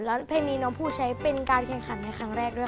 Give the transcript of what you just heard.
เพราะเพลงนี้น้องผู้ใช้เป็นการเครียงขันได้ครั้งแรกด้วย